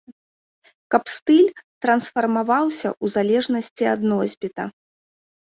Каб стыль трансфармаваўся у залежнасці ад носьбіта.